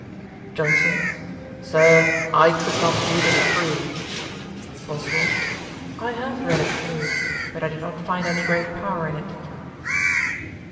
JOHNSON. 'Sir, I could not read it through.' BOSWELL. 'I have read it through; but I did not find any great power in it.'